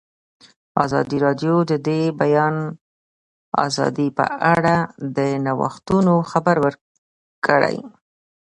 ازادي راډیو د د بیان آزادي په اړه د نوښتونو خبر ورکړی.